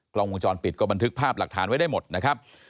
กล้องวงจรปิดก็บันทึกภาพหลักฐานไว้ได้หมดนะครับ